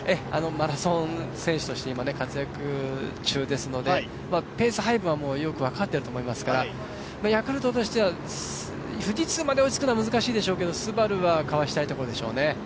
マラソン選手として今、活躍中ですので、ペース配分はよく分かっていると思いますから、ヤクルトとしては富士通まで追いつくのは厳しいでしょうがＳＵＢＡＲＵはかわしたいですね。